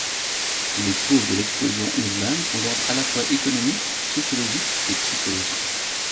Les causes de l'explosion urbaine sont d'ordre à la fois économiques, sociologiques et psychologique.